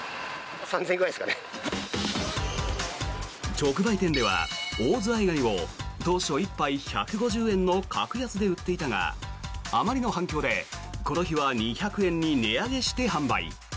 直売店ではオオズワイガニを当初、１杯１５０円の格安で売っていたがあまりの反響で、この日は２００円に値上げして販売。